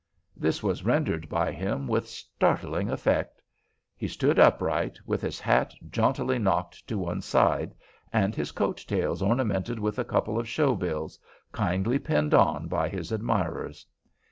This was rendered by him with startling effect. He stood upright, with his hat jauntily knocked to one side, and his coat tails ornamented with a couple of show bills, kindly pinned on by his admirers.